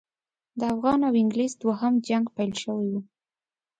د افغان او انګلیس دوهم جنګ پیل شوی وو.